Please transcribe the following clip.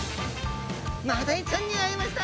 マダイちゃんに会えました！